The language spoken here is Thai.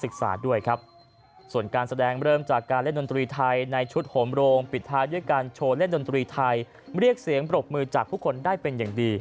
ด้วยครับส่วนการแสดงเริ่มจากการเล่นดนตรีไทยในชุดโหมโรงปิดท้ายด้วยการโชว์เล่นดนตรีไทยเรียกเสียงปรบมือจากทุกคนได้เป็นอย่างดี